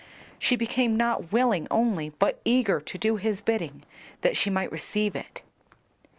She became not willing only, but eager to do his bidding that she might receive it.